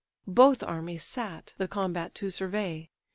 Both armies sat the combat to survey.